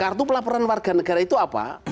kartu pelaporan warga negara itu apa